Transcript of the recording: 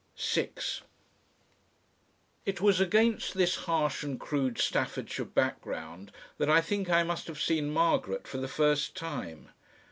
6 It was against this harsh and crude Staffordshire background that I think I must have seen Margaret for the first time.